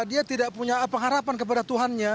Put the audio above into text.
dia tidak punya apa harapan kepada tuhannya